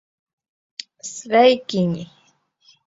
Sveikiņi!